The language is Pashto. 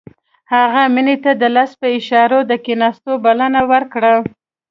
هغه مينې ته د لاس په اشاره د کښېناستو بلنه ورکړه.